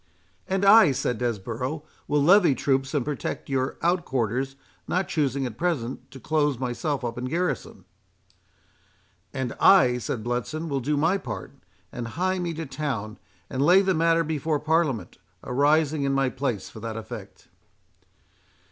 — "And I," said Desborough, "will levy troops and protect your out quarters, not choosing at present to close myself up in garrison"— "And I," said Bletson, "will do my part, and hie me to town and lay the matter before Parliament, arising in my place for that effect."